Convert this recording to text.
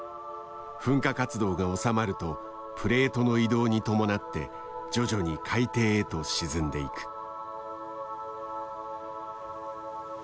噴火活動が収まるとプレートの移動に伴って徐々に海底へと沈んでいく。